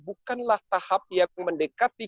bukanlah tahap yang mendekati